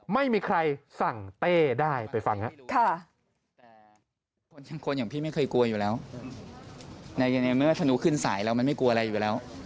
ไม่มีใครสั่งเต้ได้ไปฟังครับ